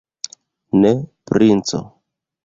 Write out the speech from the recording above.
Ne, princo!